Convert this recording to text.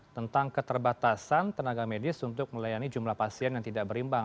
tentang keterbatasan tenaga medis untuk melayani jumlah pasien yang tidak berimbang